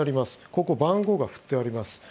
ここ、番号が振ってあります。